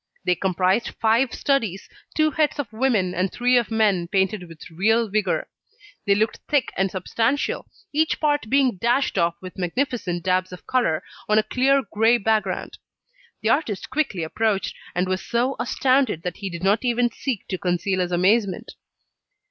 They comprised five studies, two heads of women, and three of men painted with real vigour. They looked thick and substantial, each part being dashed off with magnificent dabs of colour on a clear grey background. The artist quickly approached, and was so astounded that he did not even seek to conceal his amazement.